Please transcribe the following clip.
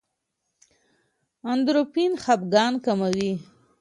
اندورفین خپګان کموي.